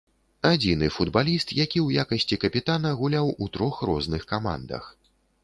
Адзіны футбаліст, які ў якасці капітана гуляў у трох розных камандах.